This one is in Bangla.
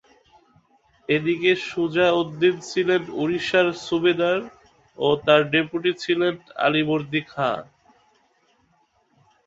এদিকে সুজা উদ্দিন ছিলেন ওড়িশার সুবেদার ও তার ডেপুটি ছিলেন আলীবর্দী খাঁ।